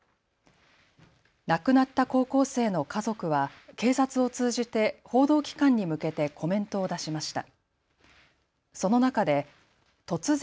亡くなった高校生の家族は警察を通じて報道機関に向けてコメントを出しました。